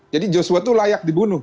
jadi joshua itu layak dibunuh